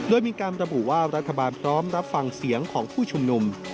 โดยมีการระบุว่ารัฐบาลพร้อมรับฟังเสียงของผู้ชุมนุม